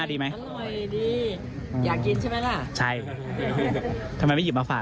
ตั้งใจสื่อสัญญาอะไร